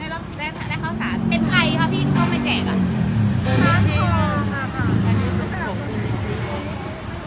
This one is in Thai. เป็นใครพ่อพี่ที่เข้ามาแจกอ่ะ